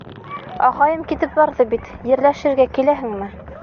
— Ағайым китеп барҙы бит, ерләшергә киләһеңме?